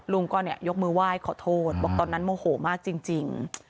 ลุงก็ยกมือไหว้ขอโทษบอกตอนนั้นโมโหมากจริง